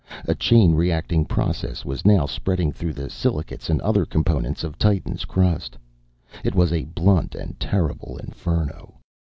A chain reacting process was now spreading through the silicates and other components of Titan's crust. It was a blunt and terrible inferno.